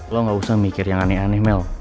lo gak usah mikir yang aneh aneh mel